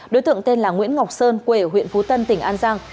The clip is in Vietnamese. đối tượng tên là nguyễn ngọc sơn quê ở huyện phú tân tỉnh an giang